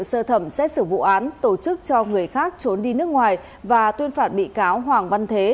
sơ thẩm xét xử vụ án tổ chức cho người khác trốn đi nước ngoài và tuyên phạt bị cáo hoàng văn thế